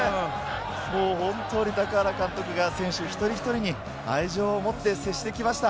高原監督が選手一人一人に愛情をもって接してきました。